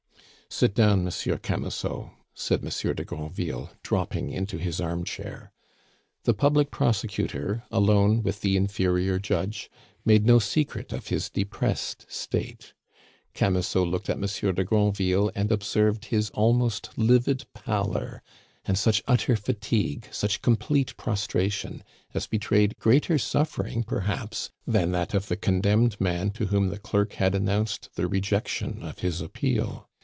"Sit down, Monsieur Camusot," said Monsieur de Granville, dropping into his armchair. The public prosecutor, alone with the inferior judge, made no secret of his depressed state. Camusot looked at Monsieur de Granville and observed his almost livid pallor, and such utter fatigue, such complete prostration, as betrayed greater suffering perhaps than that of the condemned man to whom the clerk had announced the rejection of his appeal.